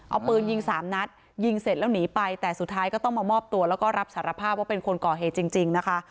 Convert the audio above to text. เอาปืนยิงสามนัดยิงเสร็จแล้วหนีไปแต่สุดท้ายก็ต้องมามอบตัวแล้วก็รับสารภาพว่าเป็นคนก่อเหตุจริงนะคะ